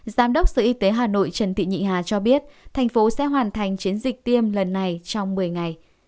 giám đốc sở y tế hà nội trần thị nhị hà cho biết thành phố sẽ hoàn thành chiến dịch tiêm lần này trong một mươi ngày